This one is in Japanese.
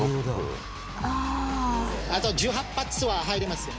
１８発は入りますよ。